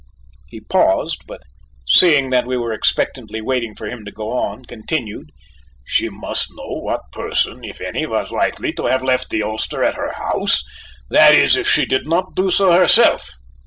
He paused, but seeing that we were expectantly waiting for him to go on, continued: "She must know what person, if any, was likely to have left the ulster at her house, that is if she did not do so herself.